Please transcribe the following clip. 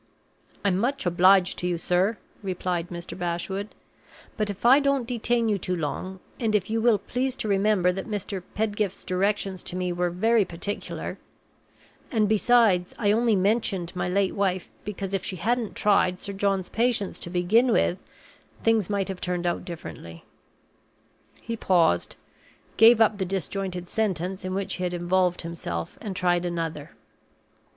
"I'm much obliged to you, sir," replied Mr. Bashwood. "But if I don't detain you too long, and if you will please to remember that Mr. Pedgift's directions to me were very particular and, besides, I only mentioned my late wife because if she hadn't tried Sir John's patience to begin with, things might have turned out differently " He paused, gave up the disjointed sentence in which he had involved himself, and tried another.